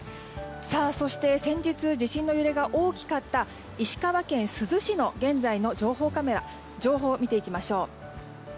そして、先日地震の揺れが大きかった石川県珠洲市の現在の情報カメラ情報を見ていきましょう。